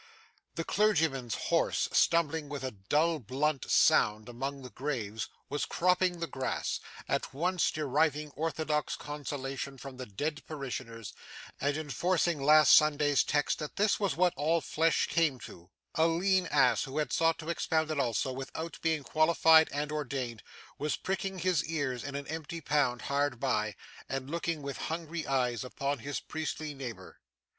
The clergyman's horse, stumbling with a dull blunt sound among the graves, was cropping the grass; at once deriving orthodox consolation from the dead parishioners, and enforcing last Sunday's text that this was what all flesh came to; a lean ass who had sought to expound it also, without being qualified and ordained, was pricking his ears in an empty pound hard by, and looking with hungry eyes upon his priestly neighbour.